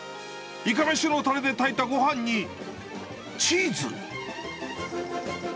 いかめしのたれで炊いたごはんに、チーズ？